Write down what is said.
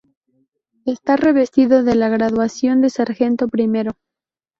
Está revestido de la graduación de sargento primero.